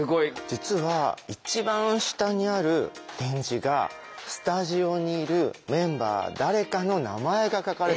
実は一番下にある点字がスタジオにいるメンバー誰かの名前が書かれているんです。